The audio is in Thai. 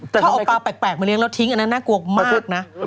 ถ้าเอาปลาแปลกมาเลี้ยแล้วทิ้งอันนั้นน่ากลัวมากนะ